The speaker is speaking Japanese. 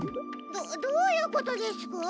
どどういうことですか？